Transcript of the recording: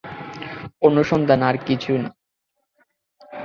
অনুসন্ধান আর কিছু না।